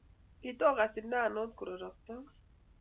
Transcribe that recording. Kitokasu sindano kororoktoi